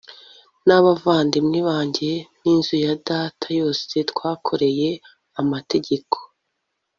n'abavandimwe banjye n'inzu ya data yose twakoreye amategeko